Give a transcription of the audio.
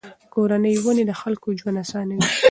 کورني ونې د خلکو ژوند آسانوي.